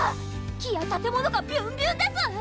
⁉木や建物がビュンビュンです